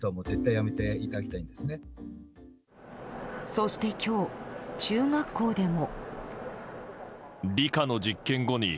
そして今日、中学校でも。